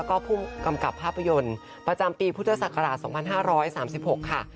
ก็ผู้กำกับภาพยนตร์ประจำปีพุทธศักราช๒๕๓๖ค่ะ